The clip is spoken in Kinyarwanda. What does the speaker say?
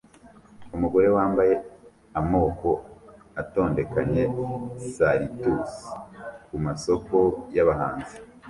Umugore wambaye amoko atondekanya salitusi kumasoko yabahinzi